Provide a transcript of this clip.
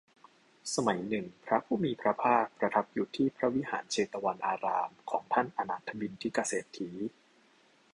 สมัยหนึ่ง พระผู้มีพระภาคประทับอยู่ที่พระวิหารเชตวันอารามของท่านอนาถบิณฑิกเศรษฐี